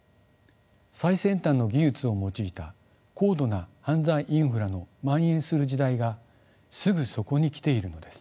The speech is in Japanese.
最先端の技術を用いた高度な犯罪インフラのまん延する時代がすぐそこに来ているのです。